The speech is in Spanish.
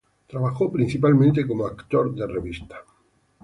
Trabajó principalmente como actor de revista.